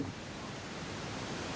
trong đợt này